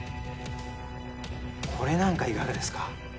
これなんかいかがですか